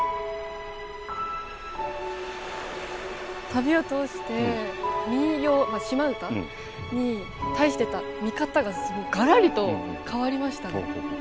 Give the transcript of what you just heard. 旅を通して民謡島唄に対してた見方ががらりと変わりました。